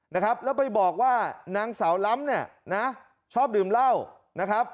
นะครับแล้วไปบอกว่านางสาวล้ำเนี่ยนะชอบดื่มเหล้านะครับ